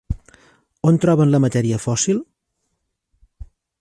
On troben la matèria fòssil?